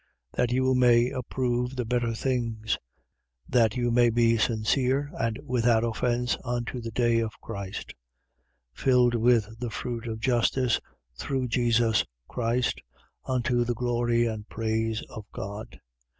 That you may approve the better things: that you may be sincere and without offence unto the day of Christ: 1:11. Filled with the fruit of justice, through Jesus Christ, unto the glory and praise of God.